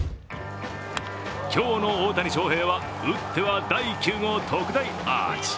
今日の大谷翔平は打っては第９号ツーラン特大アーチ。